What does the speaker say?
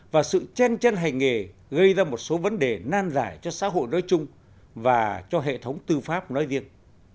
và sự chen chân hành nghề gây ra một số vấn đề nan giải cho xã hội nói chung và cho hệ thống tư pháp nói riêng